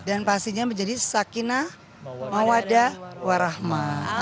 dan pastinya menjadi sakina mawadah warahmat